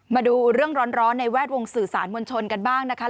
มาดูเรื่องร้อนในแวดวงสื่อสารมวลชนกันบ้างนะคะ